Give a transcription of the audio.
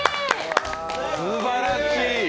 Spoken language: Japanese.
すばらしい！